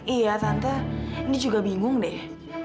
iya tante ini juga bingung deh